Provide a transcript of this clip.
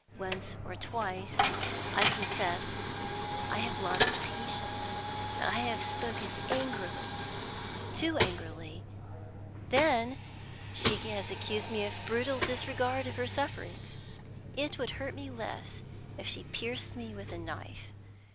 Once or twice, I confess, I have lost patience, and have spoken angrily, too angrily; then she has accused me of brutal disregard of her sufferings. It would hurt me less if she pierced me with a knife.